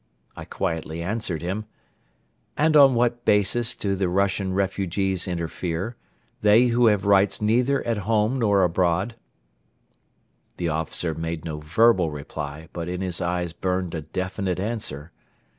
I quietly answered him: "And on what basis do the Russian refugees interfere, they who have rights neither at home nor abroad?" The officer made no verbal reply but in his eyes burned a definite answer.